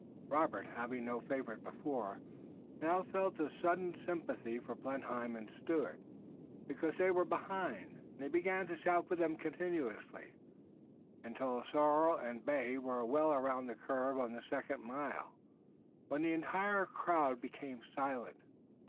Robert, having no favorite before, now felt a sudden sympathy for Blenheim and Stuart, because they were behind, and he began to shout for them continuously, until sorrel and bay were well around the curve on the second mile, when the entire crowd became silent.